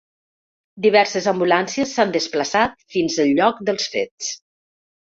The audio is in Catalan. Diverses ambulàncies s’han desplaçat fins el lloc dels fets.